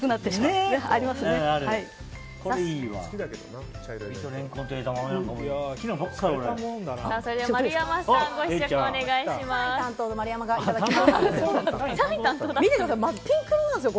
それでは丸山さんご試食お願いします。